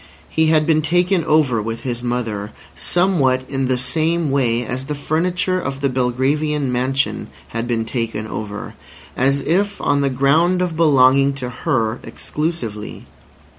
He had been taken over with his mother, somewhat in the same way as the furniture of the Belgravian mansion had been taken over, as if on the ground of belonging to her exclusively.